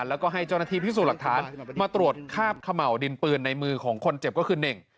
แล้วก็ให้เจ้าหน้าที่พิสูจน์หลักฐานมาตรวจคาบเขม่าวดินปืนในมือของคนเจ็บก็คือเน่ง